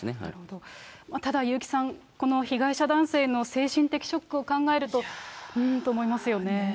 ただ優木さん、この被害者男性の精神的ショックを考えると、うーんと思いますよ